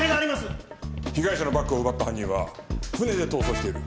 被害者のバッグを奪った犯人は船で逃走している。